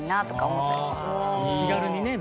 気軽にね